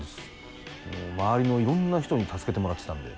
周りのいろんな人に助けてもらってたんで。